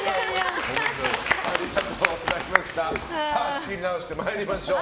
仕切り直して参りましょう。